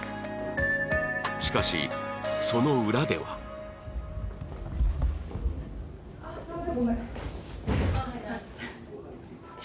しかしその裏ではあっごめん